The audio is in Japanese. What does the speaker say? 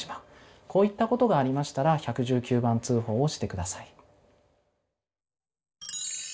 こういったことがありましたら１１９番通報をしてください。